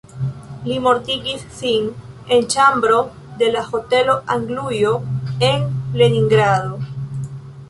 Li mortigis sin en ĉambro de la Hotelo Anglujo en Leningrado.